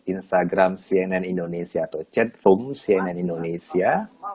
instagram cnn indonesia atau chatroom cnn indonesia